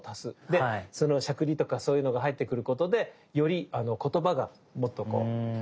でそのしゃくりとかそういうのが入ってくることでより言葉がもっとこう立つ。